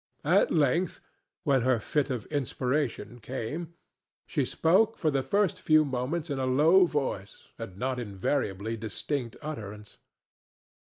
At length, when her fit of inspiration came, she spoke for the first few moments in a low voice and not invariably distinct utterance.